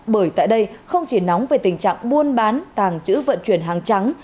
bởi tại đây không chỉ nóng về tình trạng buôn bán tàng trữ vận chuyển hàng trắng